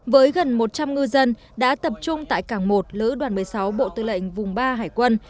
với gần một trăm linh ngư dân đã tập trung tại cảng một lữ đoàn một mươi sáu bộ tư lệnh vùng ba hải quân